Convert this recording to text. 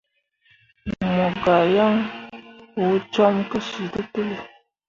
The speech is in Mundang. Mo gah yan wo com kǝsyiltǝlli.